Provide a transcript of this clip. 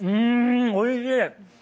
おいしい！